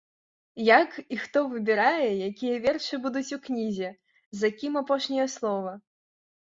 Як і хто выбірае, якія вершы будуць у кнізе, за кім апошняе слова?